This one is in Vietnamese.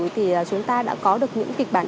thì chúng ta đã có được những kịch bản